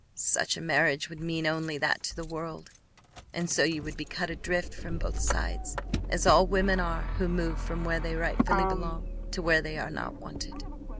"Such a marriage would mean only that to the world; and so you would be cut adrift from both sides, as all women are who move from where they rightfully belong to where they are not wanted."